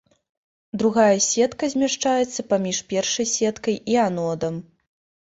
Другая сетка змяшчаецца паміж першай сеткай і анодам.